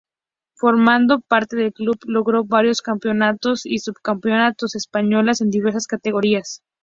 Formando parte del club, logró varios campeonatos y subcampeonatos españoles en diversas categorías.